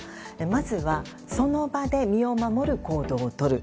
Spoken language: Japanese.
まずはその場で身を守る行動をとる。